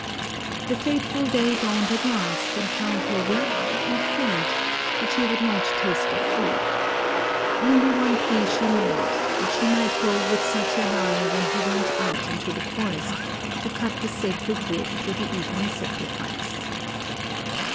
The fateful day dawned at last and found her weak and faint, but she would not taste of food. Only one plea she made — that she might go with Satyavan when he went out into the forest to cut the sacred wood for the evening sacrifice.